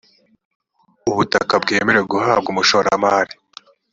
ubutaka bwemerewe guhabwa umushoramari